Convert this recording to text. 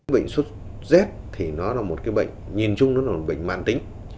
bệnh sốt rét thì nó là một cái bệnh nhìn chung nó là một bệnh mạng tính